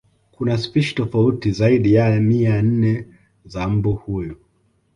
Kuna spishi tofauti zaidi ya mia nne za mbu huyu